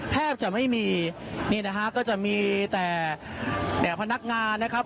แทบจะไม่มีนี่นะฮะก็จะมีแต่พนักงานนะครับ